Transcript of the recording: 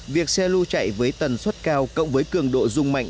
việc xe lưu chạy với tần suất cao cộng với cường độ dung mạnh